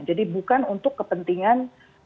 jadi bukan untuk kepentingan